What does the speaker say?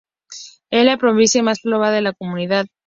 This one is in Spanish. Es la provincia más poblada de la comunidad.